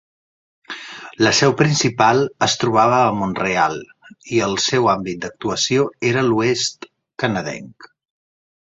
La seu principal es trobava a Mont-real i el seu àmbit d'actuació era l'oest canadenc.